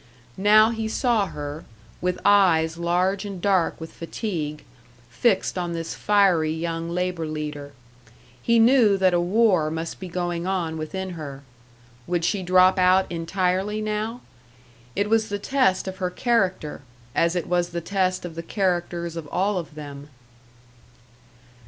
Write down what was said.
Now he saw her, with eyes large and dark with fatigue, fixed on this fiery young labour leader. He knew that a war must be going on within her. Would she drop out entirely now? It was the test of her character as it was the test of the characters of all of them.